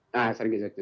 nah sering ke jogja